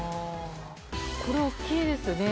これは大きいですね。